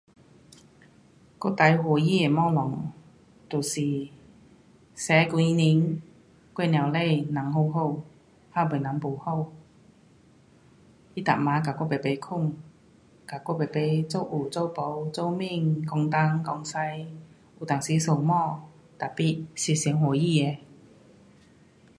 我最欢喜的东西就是前几年我母亲人好好，还没人不好。她每晚跟我排排睡。跟我排排做有做没。做脸，讲东讲西。有当时相骂，tapi 是最欢喜的。